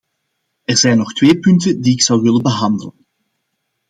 Er zijn nog twee punten die ik zou willen behandelen.